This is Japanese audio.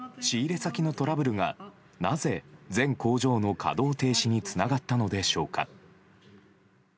仕入れ先のトラブルがなぜ全工場の稼働停止につながったのでしょうか。